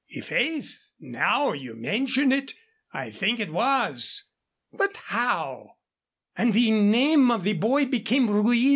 "I' faith, now you mention it, I think it was. But how " "And the name of the boy became Ruiz?